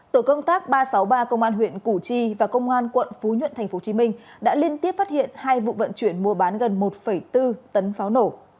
tổ công tác ba trăm sáu mươi ba công an huyện củ chi và công an quận phú nhuận tp hcm đã liên tiếp phát hiện hai vụ vận chuyển mua bán gần một bốn tấn pháo nổ